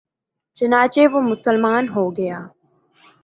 چنانچہ وہ مسلمان ہو گیا